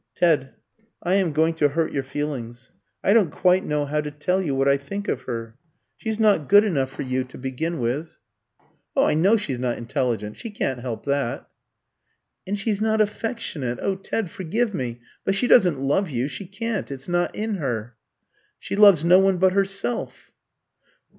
"Ted, I am going to hurt your feelings. I don't quite know how to tell you what I think of her. She's not good enough for you, to begin with " "I know she's not intelligent. She can't help that." "And she's not affectionate. Oh, Ted, forgive me! but she doesn't love you she can't, it's not in her. She loves no one but herself."